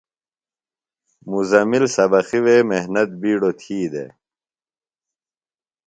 مزمل سبقیۡ وے محنت بِیڈوۡ تھی دےۡ۔